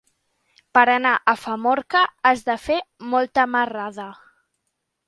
Per anar a Famorca has de fer molta marrada.